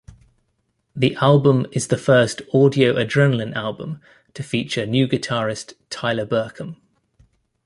The album is the first Audio Adrenaline album to feature new guitarist, Tyler Burkum.